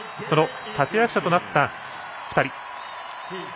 その立役者となった２人。